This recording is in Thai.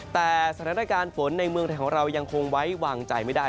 แต่สถานการณ์ฝนในเมืองไทยของเรายังคงไว้วางใจไม่ได้